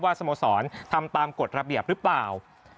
สโมสรทำตามกฎระเบียบหรือเปล่า